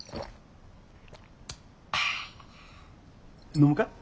飲むか？